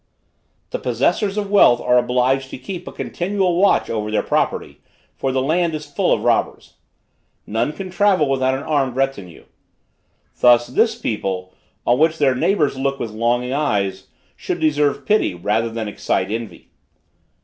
The possessors of wealth are obliged to keep a continual watch over their property, for the land is full of robbers. None can travel without an armed retinue. Thus, this people, on which their neighbors look with longing eyes, should deserve pity rather than excite envy.